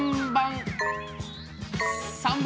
◆３番。